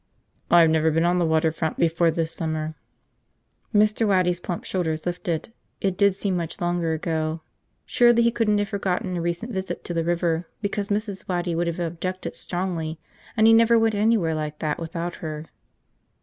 "I've never been on the water front before this summer." Mr. Waddy's plump shoulders lifted. It did seem much longer ago. Surely he couldn't have forgotten a recent visit to the river because Mrs. Waddy would have objected strongly and he never went anywhere like that without her.